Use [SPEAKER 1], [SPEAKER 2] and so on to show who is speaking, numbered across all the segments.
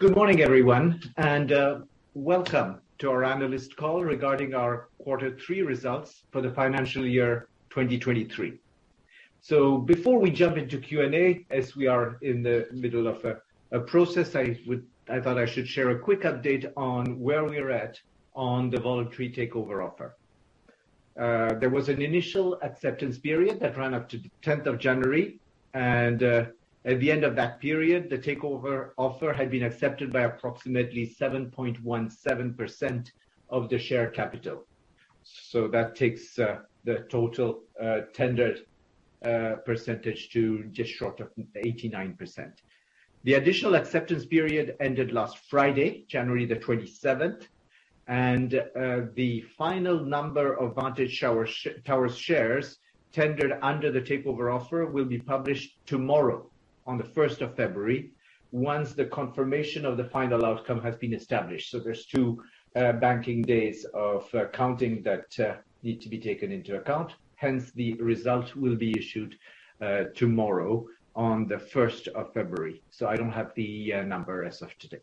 [SPEAKER 1] Good morning, everyone, welcome to our analyst call regarding our quarter three results for the financial year 2023. Before we jump into Q&A, as we are in the middle of a process, I thought I should share a quick update on where we're at on the voluntary takeover offer. There was an initial acceptance period that ran up to the 10th of January, at the end of that period, the takeover offer had been accepted by approximately 7.17% of the share capital. That takes the total tendered percentage to just short of 89%. The additional acceptance period ended last Friday, January 27th. The final number of Vantage Towers shares tendered under the takeover offer will be published tomorrow on the first of February once the confirmation of the final outcome has been established. There's two banking days of counting that need to be taken into account. Hence, the result will be issued tomorrow on the first of February. I don't have the number as of today.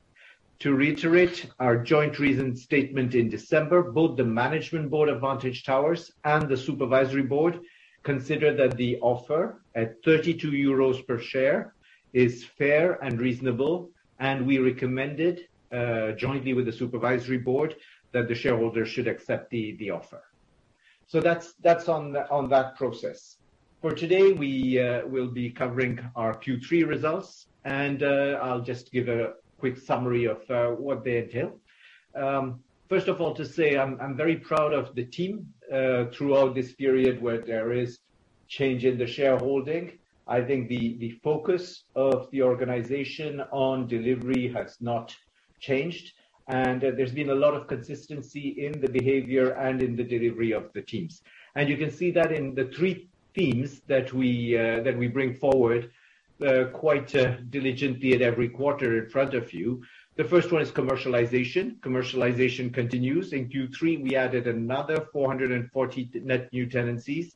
[SPEAKER 1] To reiterate our joint reason statement in December, both the management board of Vantage Towers and the supervisory board consider that the offer at 32 euros per share is fair and reasonable, and we recommend it jointly with the supervisory board that the shareholder should accept the offer. That's on that process. For today, we will be covering our Q3 results. I'll just give a quick summary of what they entail. First of all, to say I'm very proud of the team throughout this period where there is change in the shareholding. I think the focus of the organization on delivery has not changed, and there's been a lot of consistency in the behavior and in the delivery of the teams. You can see that in the three themes that we that we bring forward quite diligently at every quarter in front of you. The first one is commercialization. Commercialization continues. In Q3, we added another 440 net new tenancies.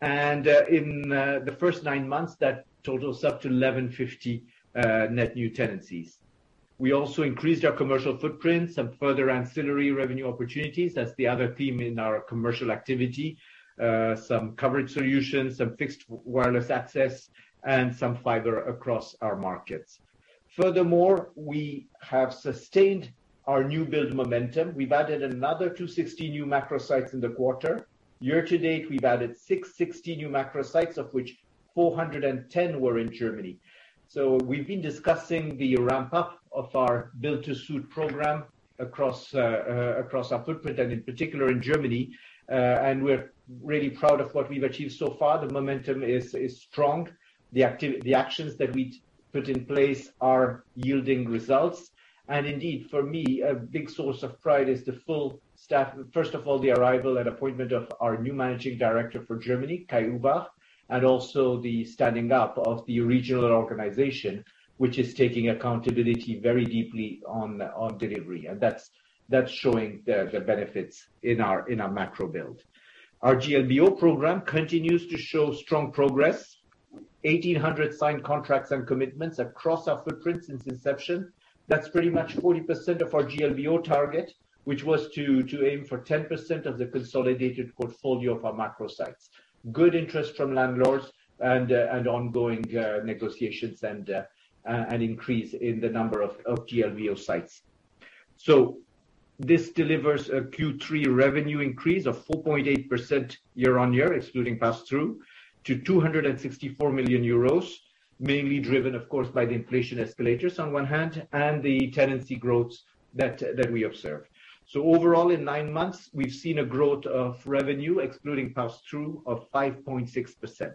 [SPEAKER 1] In the first nine months, that totals up to 1,150 net new tenancies. We also increased our commercial footprint, some further ancillary revenue opportunities. That's the other theme in our commercial activity. Some Fixed Wireless Access, and some fiber across our markets. Furthermore, we have sustained our new build momentum. We've added another 260 new macro sites in the quarter. Year to date, we've added 660 new macro sites, of which 410 were in Germany. We've been discussing the ramp-up of our Build-to-Suit program across our footprint, and in particular in Germany. We're really proud of what we've achieved so far. The momentum is strong. The actions that we put in place are yielding results. Indeed, for me, a big source of pride is the full staff... The arrival and appointment of our new Managing Director for Germany, Kai Uebach, and also the standing up of the regional organization, which is taking accountability very deeply on delivery. That's showing the benefits in our macro build. Our GLBO program continues to show strong progress. 1,800 signed contracts and commitments across our footprint since inception. That's pretty much 40% of our GLBO target, which was to aim for 10% of the consolidated portfolio of our macro sites. Good interest from landlords and ongoing negotiations and an increase in the number of GLBO sites. This delivers a Q3 revenue increase of 4.8% year-on-year, excluding pass through, to 264 million euros. Mainly driven, of course, by the inflation escalators on one hand and the tenancy growth that we observed. Overall in nine months, we've seen a growth of revenue excluding pass through of 5.6%.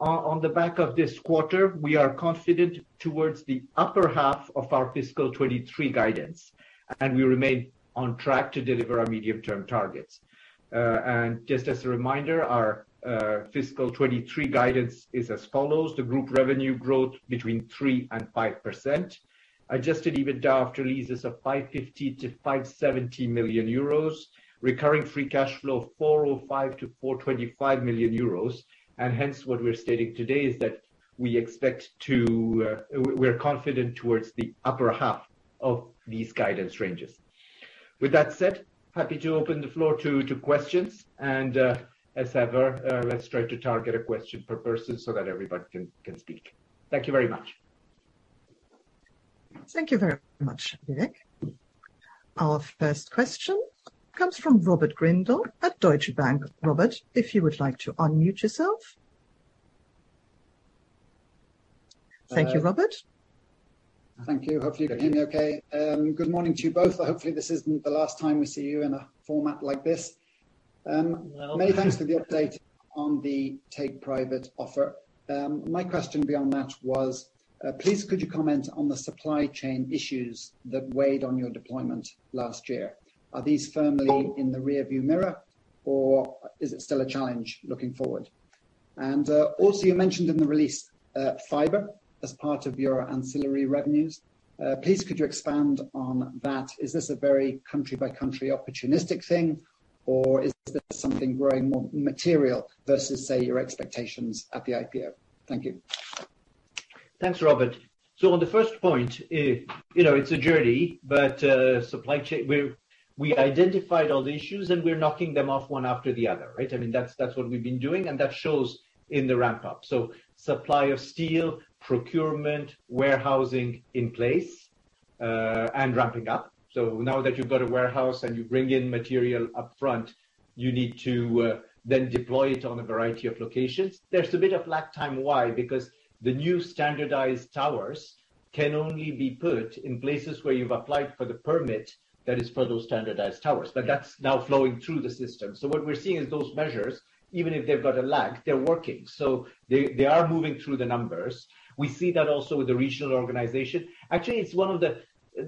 [SPEAKER 1] On the back of this quarter, we are confident towards the upper half of our fiscal 23 guidance, and we remain on track to deliver our medium-term targets. Just as a reminder, our fiscal 23 guidance is as follows: the group revenue growth between 3% and 5%. Adjusted EBITDA after Leases of 550 million-570 million euros. Recurring Free Cash Flow of 405 million-425 million euros. Hence, what we're stating today is that we expect to, we're confident towards the upper half of these guidance ranges. With that said, happy to open the floor to questions. As ever, let's try to target a question per person so that everybody can speak. Thank you very much.
[SPEAKER 2] Thank you very much, Vivek. Our first question comes from Robert Grindle at Deutsche Bank. Robert, if you would like to unmute yourself. Thank you, Robert.
[SPEAKER 3] Thank you. Hopefully you can hear me okay. Good morning to you both. Hopefully, this isn't the last time we see you in a format like this.
[SPEAKER 2] Well.
[SPEAKER 3] Many thanks for the update on the take-private offer. My question beyond that was, please could you comment on the supply chain issues that weighed on your deployment last year? Are these firmly in the rearview mirror, or is it still a challenge looking forward? Also you mentioned in the release, fiber as part of your ancillary revenues. Please could you expand on that. Is this a very country by country opportunistic thing, or is this something growing more material versus, say, your expectations at the IPO? Thank you.
[SPEAKER 1] Thanks, Robert. On the first point, you know, it's a journey, but supply chain, we identified all the issues, and we're knocking them off one after the other, right? I mean, that's what we've been doing, and that shows in the ramp up. Supply of steel, procurement, warehousing in place, and ramping up. Now that you've got a warehouse and you bring in material upfront, you need to then deploy it on a variety of locations. There's a bit of lag time. Why? Because the new standardized towers can only be put in places where you've applied for the permit that is for those standardized towers. That's now flowing through the system. What we're seeing is those measures, even if they've got a lag, they're working. They, they are moving through the numbers. We see that also with the regional organization. Actually, it's one of the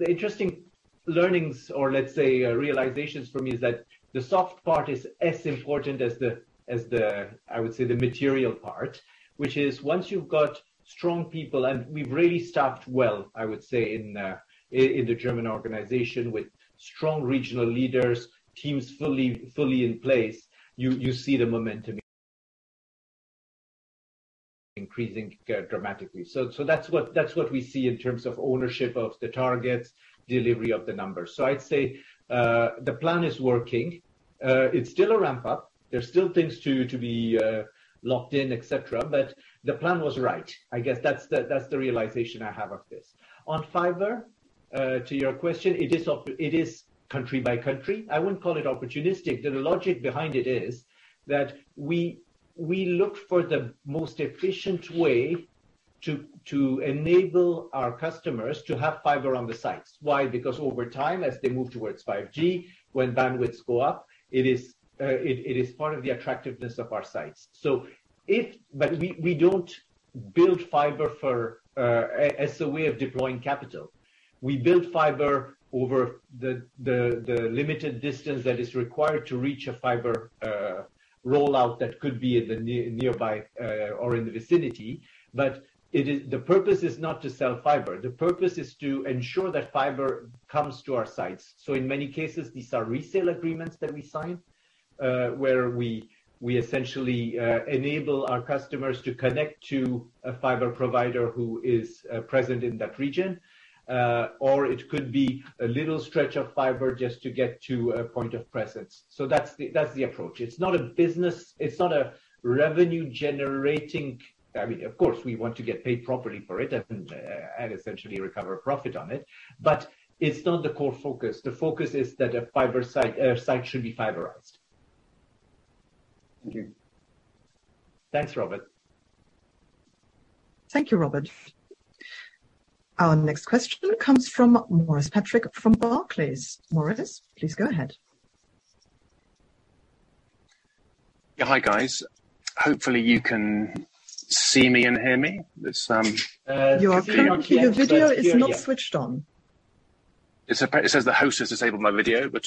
[SPEAKER 1] interesting learnings or let's say, realizations for me is that the soft part is as important as the, as the, I would say, the material part. Which is once you've got strong people, and we've really staffed well, I would say in the German organization with strong regional leaders, teams fully in place, you see the momentum increasing dramatically. That's what we see in terms of ownership of the targets, delivery of the numbers. I'd say, the plan is working. It's still a ramp up. There's still things to be, locked in, et cetera. The plan was right. I guess that's the, that's the realization I have of this. On fiber, to your question, it is country by country. I wouldn't call it opportunistic. The logic behind it is that we look for the most efficient way to enable our customers to have fiber on the sites. Why? Because over time, as they move towards 5G, when bandwidths go up, it is part of the attractiveness of our sites. We don't build fiber for as a way of deploying capital. We build fiber over the limited distance that is required to reach a fiber rollout that could be in the nearby, or in the vicinity. The purpose is not to sell fiber. The purpose is to ensure that fiber comes to our sites. In many cases, these are resale agreements that we sign, where we essentially enable our customers to connect to a fiber provider who is present in that region. It could be a little stretch of fiber just to get to a point of presence. That's the, that's the approach. It's not a business. It's not a revenue generating... I mean, of course, we want to get paid properly for it and essentially recover a profit on it. It's not the core focus. The focus is that a fiber site should be fiberized.
[SPEAKER 3] Thank you.
[SPEAKER 1] Thanks, Robert.
[SPEAKER 2] Thank you, Robert. Our next question comes from Maurice Patrick from Barclays. Maurice, please go ahead.
[SPEAKER 4] Yeah. Hi, guys. Hopefully you can see me and hear me.
[SPEAKER 1] We can see you on camera.
[SPEAKER 2] The video is not switched on.
[SPEAKER 4] It says the host has disabled my video, but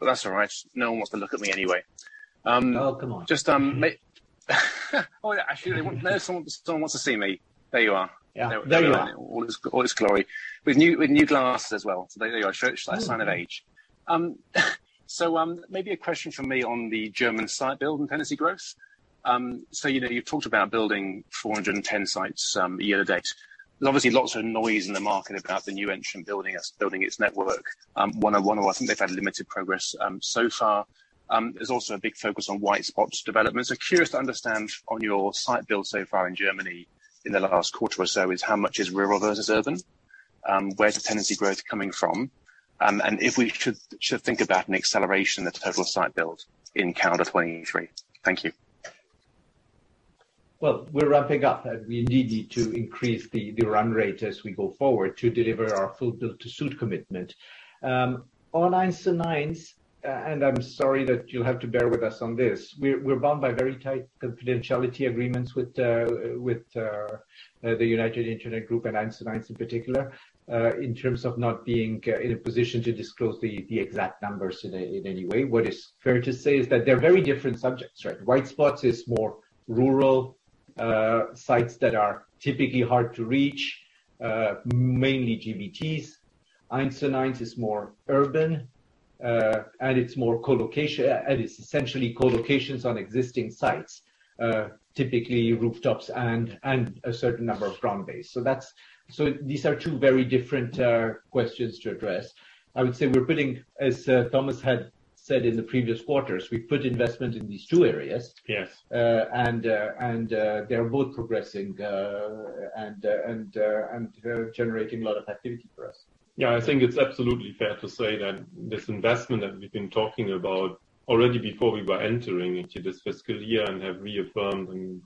[SPEAKER 4] that's all right. No one wants to look at me anyway.
[SPEAKER 1] Oh, come on.
[SPEAKER 4] Just, Oh, yeah, actually, they want... No, someone wants to see me. There you are.
[SPEAKER 1] Yeah. There you are.
[SPEAKER 4] In all its glory. With new glasses as well. There you are. A sure sign of age. Maybe a question from me on the German site build and tenancy growth. You know, you've talked about building 410 sites year to date. There's obviously lots of noise in the market about the new entrant building its network. 1&1, I think they've had limited progress so far. There's also a big focus on white spots development. Curious to understand on your site build so far in Germany in the last quarter or so is how much is rural versus urban? Where's the tenancy growth coming from? If we should think about an acceleration of total site build in calendar 2023. Thank you.
[SPEAKER 1] Well, we're ramping up. We indeed need to increase the run rate as we go forward to deliver our full Build-to-Suit commitment. On 1&1, I'm sorry that you'll have to bear with us on this. We're bound by very tight confidentiality agreements with the United Internet Group and 1&1 in particular, in terms of not being in a position to disclose the exact numbers in any way. What is fair to say is that they're very different subjects, right? white spots is more rural, sites that are typically hard to reach, mainly GBTs. 1&1 is more urban, and it's more co-location. It's essentially co-locations on existing sites, typically rooftops and a certain number of brownfield. these are two very different questions to address. I would say we're putting, as Thomas had said in the previous quarters, we put investment in these two areas.
[SPEAKER 5] Yes.
[SPEAKER 1] They're both progressing, and they're generating a lot of activity for us.
[SPEAKER 5] Yeah. I think it's absolutely fair to say that this investment that we've been talking about already before we were entering into this fiscal year and have reaffirmed and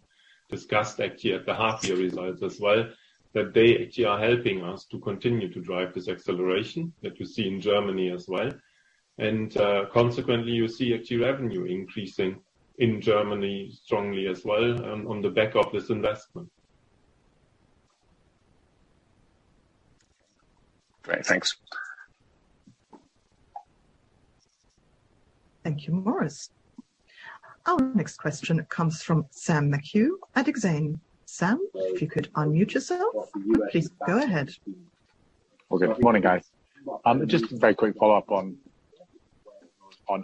[SPEAKER 5] discussed actually at the half year results as well, that they actually are helping us to continue to drive this acceleration that you see in Germany as well. Consequently you see actually revenue increasing in Germany strongly as well on the back of this investment.
[SPEAKER 4] Great. Thanks.
[SPEAKER 2] Thank you, Maurice. Our next question comes from Sam McHugh at Exane. Sam, if you could unmute yourself. Please, go ahead.
[SPEAKER 6] Okay. Good morning, guys. Just a very quick follow-up on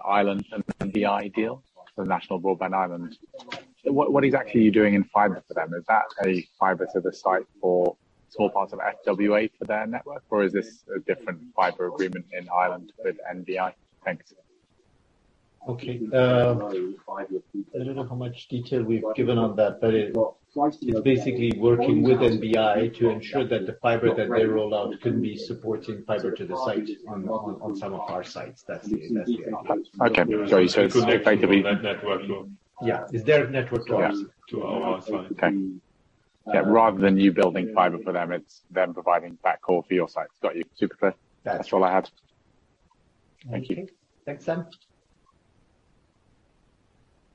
[SPEAKER 6] Ireland and NBI deal, the National Broadband Ireland. What exactly are you doing in fiber for them? Is that a fiber to the site for small parts of FWA for their network, or is this a different fiber agreement in Ireland with NBI? Thanks.
[SPEAKER 1] Okay. I don't know how much detail we've given on that, but it's basically working with NBI to ensure that the fiber that they roll out can be supporting fiber to the site on some of our sites. That's the agreement.
[SPEAKER 6] Okay.
[SPEAKER 5] Network.
[SPEAKER 1] Yeah. It's their network to us.
[SPEAKER 6] Yeah.
[SPEAKER 5] To our site.
[SPEAKER 6] Okay. Yeah, rather than you building fiber for them, it's them providing backhaul for your sites. Got you. Super.
[SPEAKER 1] Yes.
[SPEAKER 6] That's all I had. Thank you.
[SPEAKER 1] Thanks, Sam.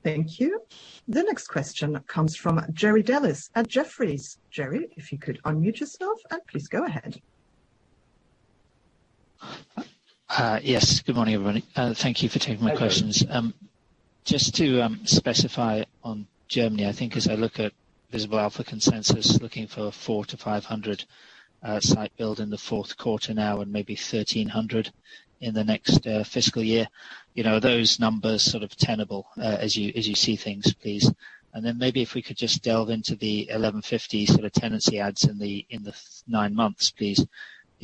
[SPEAKER 2] Thank you. The next question comes from Jerry Dellis at Jefferies. Jerry, if you could unmute yourself, and please go ahead.
[SPEAKER 7] Yes. Good morning, everybody. Thank you for taking my questions. Just to specify on Germany, I think as I look at Visible Alpha consensus, looking for 400-500 site build in the fourth quarter now and maybe 1,300 in the next fiscal year. You know, are those numbers sort of tenable as you see things, please? Maybe if we could just delve into the 1,150 sort of tenancy adds in the nine months, please. Are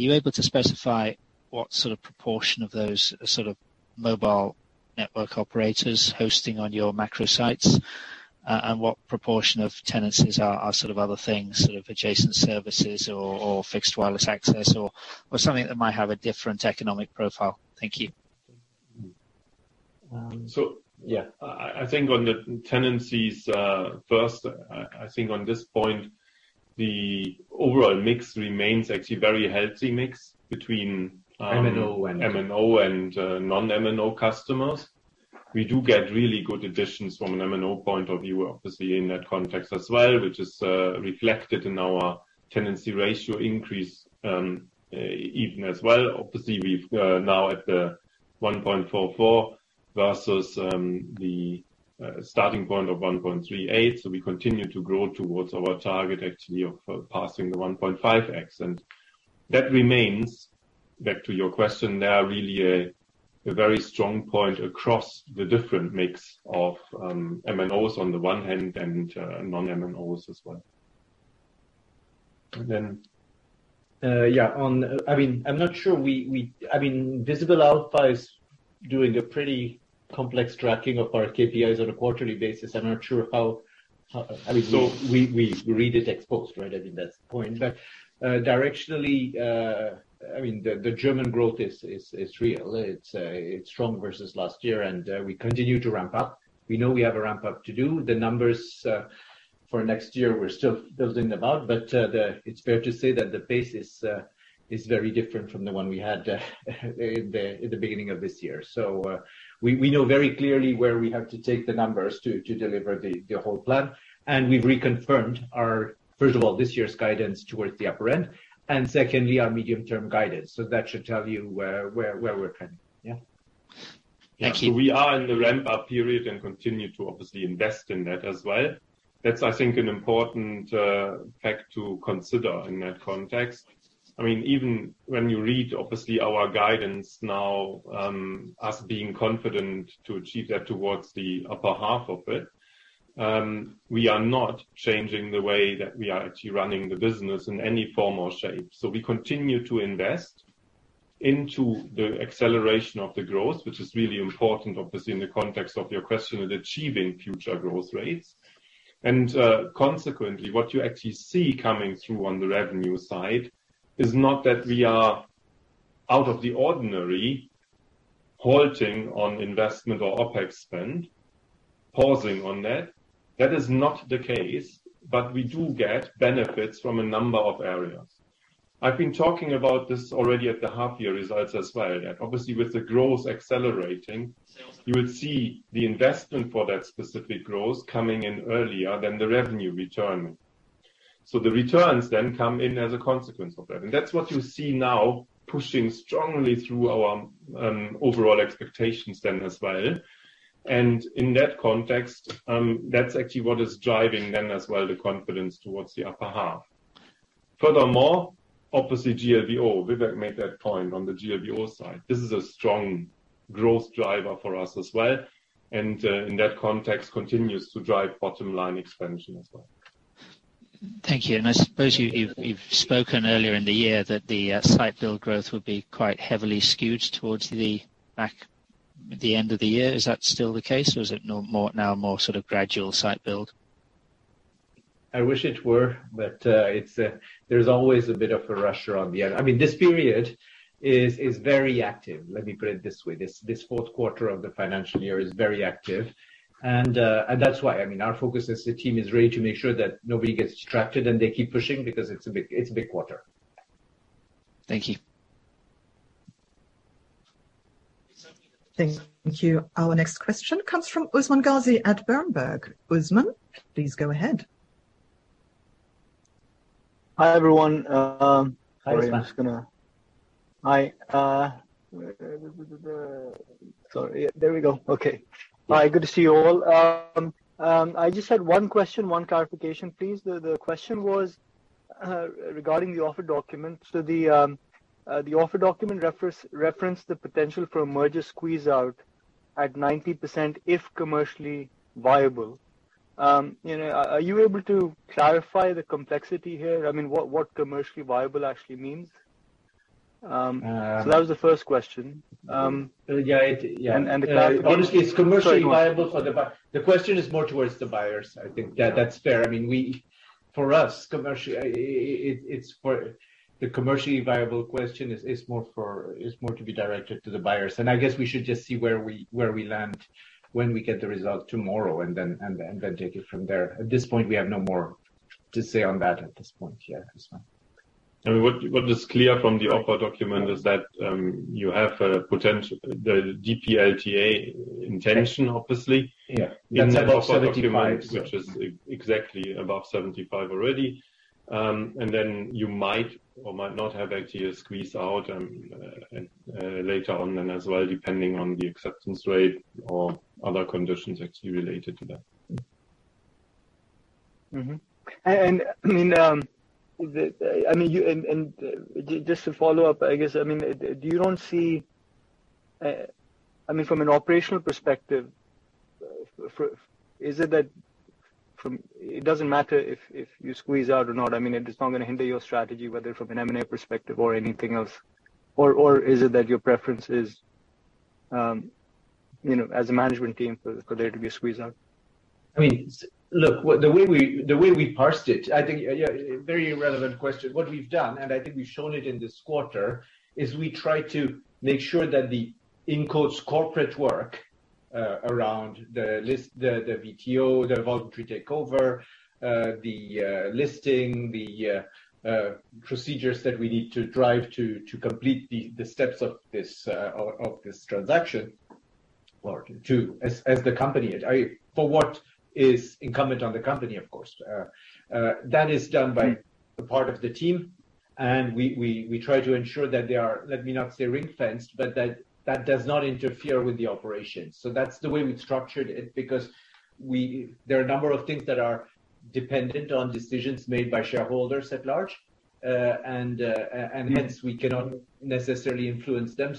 [SPEAKER 7] you able to specify what sort of proportion of those sort of mobile network operators hosting on your macro sites and what proportion of tenancies are sort of other things, sort of adjacent services or Fixed Wireless Access or something that might have a different economic profile? Thank you.
[SPEAKER 5] Yeah. I think on the tenancies, first, I think on this point, the overall mix remains actually a very healthy mix between...
[SPEAKER 1] MNO
[SPEAKER 5] MNO and non-MNO customers. We do get really good additions from an MNO point of view, obviously in that context as well, which is reflected in our tenancy ratio increase, even as well. Obviously, we've now at the 1.44 versus the starting point of 1.38. We continue to grow towards our target actually of passing the 1.5x. That remains, back to your question, now really a very strong point across the different mix of MNOs on the one hand and non-MNOs as well.
[SPEAKER 1] I mean, I'm not sure I mean, Visible Alpha is doing a pretty complex tracking of our KPIs on a quarterly basis. I'm not sure I mean, we read it ex-post, right? I think that's the point. Directionally, I mean, the German growth is real. It's strong versus last year, we continue to ramp up. We know we have a ramp up to do. The numbers for next year, we're still building them out, it's fair to say that the pace is very different from the one we had in the beginning of this year. We know very clearly where we have to take the numbers to deliver the whole plan. We've reconfirmed our, first of all, this year's guidance towards the upper end, and secondly, our medium-term guidance. That should tell you where we're trending. Yeah.
[SPEAKER 7] Thank you.
[SPEAKER 5] We are in the ramp-up period and continue to obviously invest in that as well. That's, I think, an important fact to consider in that context. I mean, even when you read, obviously, our guidance now, us being confident to achieve that towards the upper half of it, we are not changing the way that we are actually running the business in any form or shape. We continue to invest into the acceleration of the growth, which is really important, obviously, in the context of your question, at achieving future growth rates. Consequently, what you actually see coming through on the revenue side is not that we are out of the ordinary halting on investment or Opex spend, pausing on that. That is not the case. We do get benefits from a number of areas. I've been talking about this already at the half year results as well, that obviously with the growth accelerating, you will see the investment for that specific growth coming in earlier than the revenue return. So the returns then come in as a consequence of that. That's what you see now pushing strongly through our overall expectations then as well. In that context, that's actually what is driving then as well, the confidence towards the upper half. Furthermore, obviously, GLBO. Vivek made that point on the GLBO side. This is a strong growth driver for us as well, and in that context, continues to drive bottom line expansion as well.
[SPEAKER 7] Thank you. I suppose you've spoken earlier in the year that the site build growth would be quite heavily skewed towards the end of the year. Is that still the case, or is it now more sort of gradual site build?
[SPEAKER 1] I wish it were, but it's, there's always a bit of a rush around the end. I mean, this period is very active. Let me put it this way. This fourth quarter of the financial year is very active and that's why. I mean, our focus as the team is really to make sure that nobody gets distracted and they keep pushing because it's a big quarter.
[SPEAKER 7] Thank you.
[SPEAKER 2] Thank you. Our next question comes from Usman Ghazi at Berenberg. Usman, please go ahead.
[SPEAKER 8] Hi, everyone.
[SPEAKER 1] Hi, Usman.
[SPEAKER 8] Hi. Where is the. Sorry. There we go. Okay. Hi, good to see you all. I just had one question, one clarification, please. The question was regarding the offer document. The offer document reference the potential for a merger squeeze-out at 90% if commercially viable. you know, are you able to clarify the complexity here? I mean, what commercially viable actually means.
[SPEAKER 1] Uh.
[SPEAKER 8] That was the first question.
[SPEAKER 1] Yeah, yeah.
[SPEAKER 8] The clarity
[SPEAKER 1] Obviously, it's commercially viable for the. The question is more towards the buyers. I think that that's fair. I mean, for us, commercially, the commercially viable question is more for, is more to be directed to the buyers. I guess we should just see where we, where we land when we get the result tomorrow and then, and then take it from there. At this point, we have no more to say on that at this point here, Usman.
[SPEAKER 5] I mean, what is clear from the offer document is that, you have The DPLTA intention.
[SPEAKER 1] Yeah.
[SPEAKER 5] in that offer document.
[SPEAKER 1] That's above 75.
[SPEAKER 5] -which is exactly above 75 already. You might or might not have actually a squeeze out, later on then as well, depending on the acceptance rate or other conditions actually related to that.
[SPEAKER 8] I mean, you, and just to follow up, I guess, I mean, do you don't see, I mean, from an operational perspective, is it that it doesn't matter if you squeeze out or not, I mean, it is not gonna hinder your strategy, whether from an M&A perspective or anything else? Or, or is it that your preference is, you know, as a management team for there to be a squeeze out?
[SPEAKER 1] I mean, the way we parsed it, I think, yeah, very relevant question. What we've done, I think we've shown it in this quarter, is we try to make sure that the in quotes corporate work around the list, the VTO, the voluntary takeover, the listing, the procedures that we need to drive to complete the steps of this transaction or to, as the company. For what is incumbent on the company, of course. That is done by a part of the team, we try to ensure that they are, let me not say ring-fenced, but that does not interfere with the operations. That's the way we've structured it, because we there are a number of things that are dependent on decisions made by shareholders at large, and hence we cannot necessarily influence them.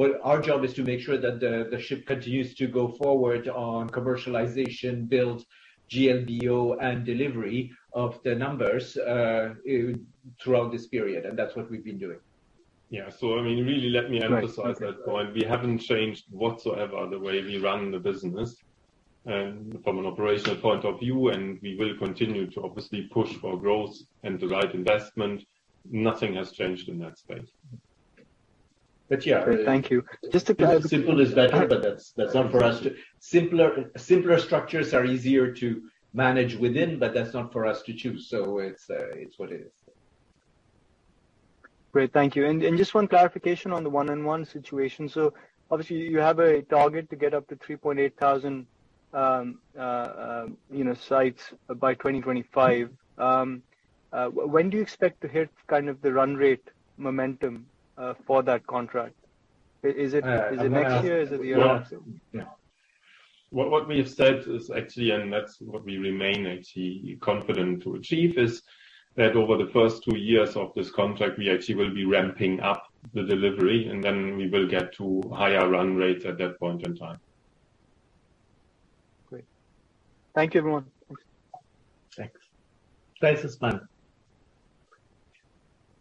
[SPEAKER 1] Well, our job is to make sure that the ship continues to go forward on commercialization, build GLBO and delivery of the numbers throughout this period, and that's what we've been doing.
[SPEAKER 5] I mean, really, let me emphasize that point. We haven't changed whatsoever the way we run the business, from an operational point of view, and we will continue to obviously push for growth and the right investment. Nothing has changed in that space.
[SPEAKER 1] Yeah.
[SPEAKER 8] Great. Thank you. Just to clarify-
[SPEAKER 1] Simple is better, but that's not for us to. Simpler structures are easier to manage within, but that's not for us to choose. It's what it is.
[SPEAKER 8] Great, thank you. Just one clarification on the 1&1 situation. Obviously you have a target to get up to 3,800, you know, sites by 2025. When do you expect to hit kind of the run rate momentum for that contract?
[SPEAKER 1] Uh, well-
[SPEAKER 8] Is it next year? Is it the year after?
[SPEAKER 1] Yeah.
[SPEAKER 5] What we have said is actually, and that's what we remain actually confident to achieve, is that over the first two years of this contract, we actually will be ramping up the delivery, and then we will get to higher run rates at that point in time.
[SPEAKER 8] Great. Thank you, everyone.
[SPEAKER 1] Thanks. Thanks, Usman.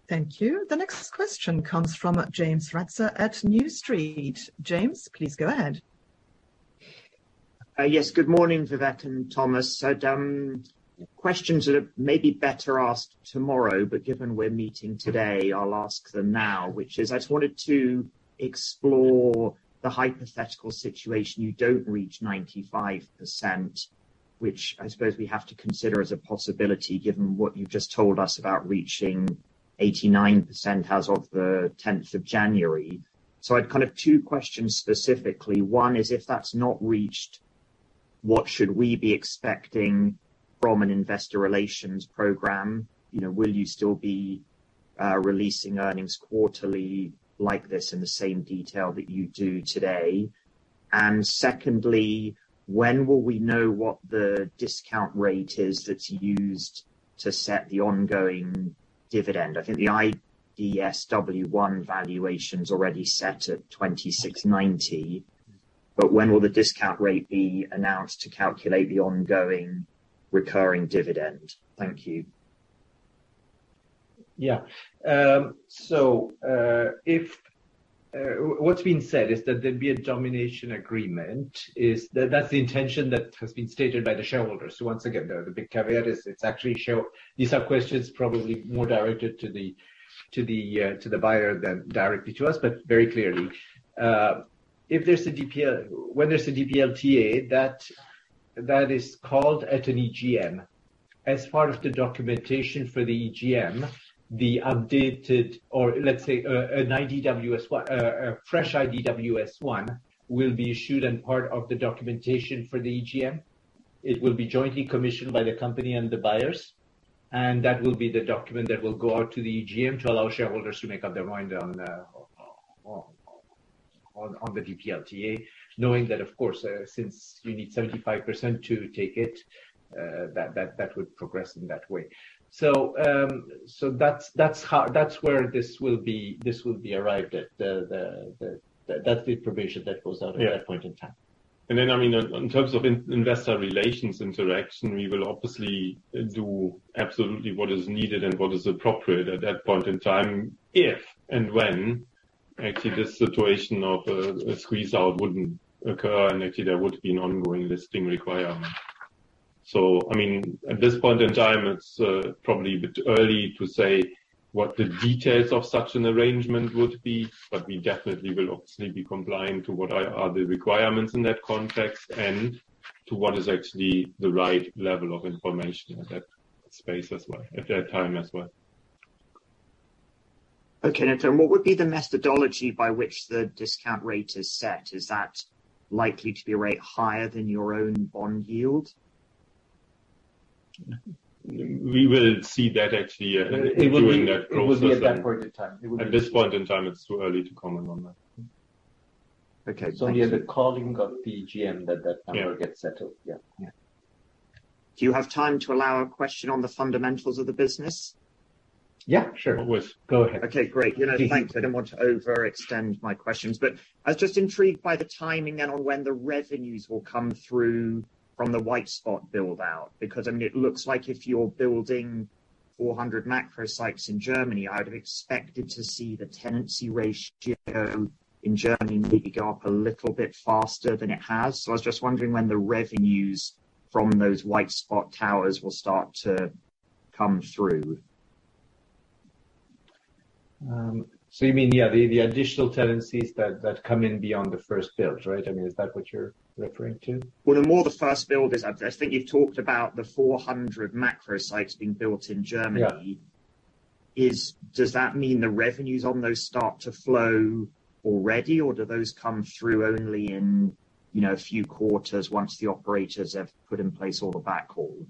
[SPEAKER 2] Thank you. The next question comes from James Ratzer at New Street. James, please go ahead.
[SPEAKER 9] Yes. Good morning, Vivek and Thomas. Questions that are maybe better asked tomorrow, but given we're meeting today, I'll ask them now, which is I just wanted to explore the hypothetical situation you don't reach 95%, which I suppose we have to consider as a possibility, given what you've just told us about reaching 89% as of the 10th of January. I've kind of two questions specifically. One is, if that's not reached, what should we be expecting from an investor relations program? You know, will you still be releasing earnings quarterly like this in the same detail that you do today? Secondly, when will we know what the discount rate is that's used to set the ongoing dividend? I think the IDW S1 valuation's already set at 26.90. When will the discount rate be announced to calculate the ongoing recurring dividend? Thank you.
[SPEAKER 1] Yeah. If what's been said is that there'd be a domination agreement is. That's the intention that has been stated by the shareholders. Once again, the big caveat is it's actually These are questions probably more directed to the buyer than directly to us. Very clearly, when there's a DPLTA, that is called at an EGM. As part of the documentation for the EGM, the updated or let's say, an IDW S1, a fresh IDW S1 will be issued and part of the documentation for the EGM. It will be jointly commissioned by the company and the buyers, and that will be the document that will go out to the EGM to allow shareholders to make up their mind on the DPLTA, knowing that of course, since you need 75% to take it, that would progress in that way. That's how that's where this will be, this will be arrived at. That's the probation that goes out.
[SPEAKER 5] Yeah.
[SPEAKER 1] At that point in time.
[SPEAKER 5] I mean, in terms of investor relations interaction, we will obviously do absolutely what is needed and what is appropriate at that point in time, if and when actually this situation of a squeeze out wouldn't occur and actually there would be an ongoing listing requirement. I mean, at this point in time, it's probably a bit early to say what the details of such an arrangement would be, but we definitely will obviously be complying to what are the requirements in that context and to what is actually the right level of information in that space as well, at that time as well.
[SPEAKER 9] Okay. Now Thomas, what would be the methodology by which the discount rate is set? Is that likely to be a rate higher than your own bond yield?
[SPEAKER 5] We will see that actually, during that process.
[SPEAKER 1] It will be at that point in time.
[SPEAKER 5] At this point in time, it's too early to comment on that.
[SPEAKER 9] Okay. Thank you.
[SPEAKER 1] Yeah, the calling of the GM that number gets settled. Yeah.
[SPEAKER 9] Yeah. Do you have time to allow a question on the fundamentals of the business?
[SPEAKER 1] Yeah, sure.
[SPEAKER 5] Of course.
[SPEAKER 1] Go ahead.
[SPEAKER 9] Okay, great. You know, thanks. I didn't want to overextend my questions, but I was just intrigued by the timing then on when the revenues will come through from the white spot build-out. I mean, it looks like if you're building 400 macro sites in Germany, I'd have expected to see the tenancy ratio in Germany maybe go up a little bit faster than it has. I was just wondering when the revenues from those white spot towers will start to come through.
[SPEAKER 1] You mean, yeah, the additional tenancies that come in beyond the first build, right? I mean, is that what you're referring to?
[SPEAKER 9] Well, I think you've talked about the 400 macro sites being built in Germany.
[SPEAKER 1] Yeah.
[SPEAKER 9] Does that mean the revenues on those start to flow already, or do those come through only in, you know, a few quarters once the operators have put in place all the backhaul?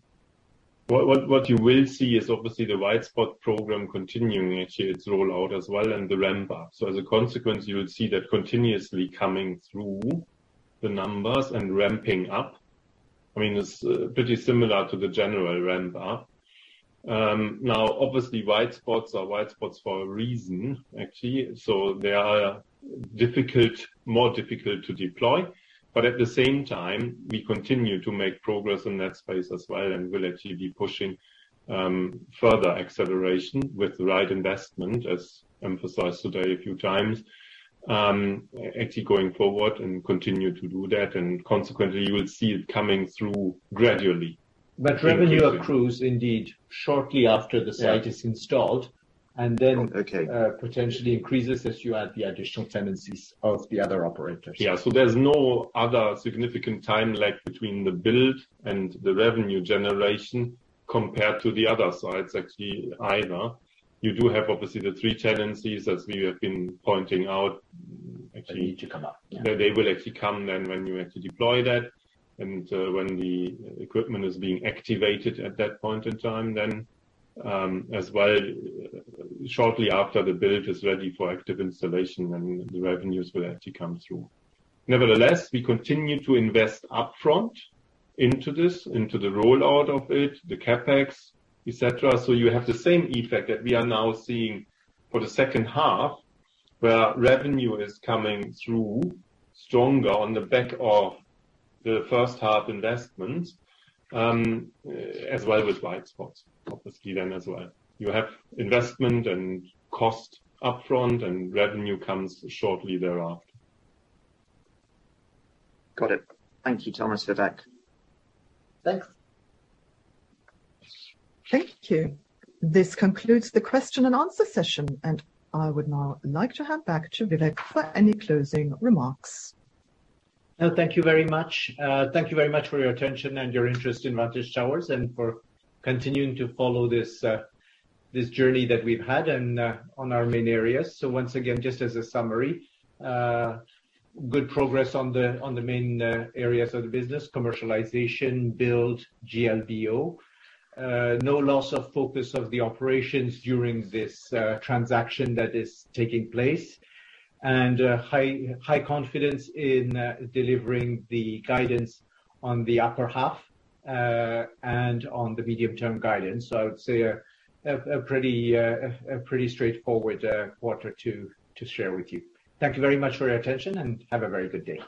[SPEAKER 5] What you will see is obviously the white spot program continuing actually its rollout as well and the ramp up. As a consequence, you will see that continuously coming through the numbers and ramping up. I mean, it's pretty similar to the general ramp up. Obviously, white spots are white spots for a reason, actually. They are difficult, more difficult to deploy. At the same time, we continue to make progress in that space as well and will actually be pushing further acceleration with the right investment, as emphasized today a few times. Actually going forward and continue to do that, consequently you will see it coming through gradually.
[SPEAKER 1] Revenue accrues indeed shortly after the site is installed.
[SPEAKER 9] Oh, okay.
[SPEAKER 1] Potentially increases as you add the additional tenancies of the other operators.
[SPEAKER 5] Yeah. There's no other significant time lag between the build and the revenue generation compared to the other sites, actually, either. You do have obviously the three tenancies as we have been pointing out, actually.
[SPEAKER 1] They need to come up. Yeah.
[SPEAKER 5] They will actually come then when you have to deploy that and when the equipment is being activated at that point in time then, as well shortly after the build is ready for active installation, then the revenues will actually come through. We continue to invest upfront into this, into the rollout of it, the CapEx, et cetera. You have the same effect that we are now seeing for the second half, where revenue is coming through stronger on the back of the first half investment, as well with white spots, obviously then as well. You have investment and cost upfront and revenue comes shortly thereafter.
[SPEAKER 9] Got it. Thank you, Thomas, Vivek.
[SPEAKER 1] Thanks.
[SPEAKER 2] Thank you. This concludes the question and answer session, I would now like to hand back to Vivek for any closing remarks.
[SPEAKER 1] No, thank you very much. Thank you very much for your attention and your interest in Vantage Towers and for continuing to follow this journey that we've had and on our main areas. Once again, just as a summary, good progress on the main areas of the business, commercialization, build, GLBO. No loss of focus of the operations during this transaction that is taking place. High confidence in delivering the guidance on the upper half and on the medium-term guidance. I would say a pretty straightforward quarter to share with you. Thank you very much for your attention, and have a very good day.